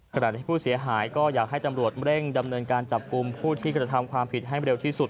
ขณะที่ผู้เสียหายก็อยากให้ตำรวจเร่งดำเนินการจับกลุ่มผู้ที่กระทำความผิดให้เร็วที่สุด